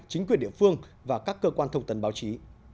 chính quyền địa phương và các cơ quan thông tấn báo chí